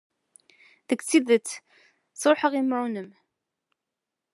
Deg tidet, sṛuḥeɣ imru-nnem.